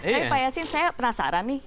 tapi pak yasin saya penasaran nih